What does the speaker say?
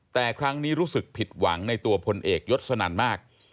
แต่ครั้งนี้รู้สึกผิดหวังในตัวพลเอกยศนันมาก